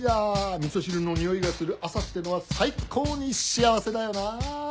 みそ汁の匂いがする朝ってのは最高に幸せだよなぁ。